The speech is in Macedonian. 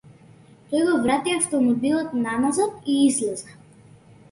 Тој го врати автомобилот наназад и излезе.